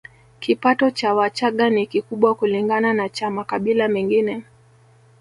Kipato cha Wachagga ni kikubwa kulingana na cha makabila mengine